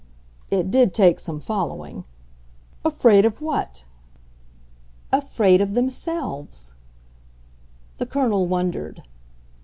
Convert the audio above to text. It did take some following. "Afraid of what?" "Afraid of themselves." The Colonel wondered.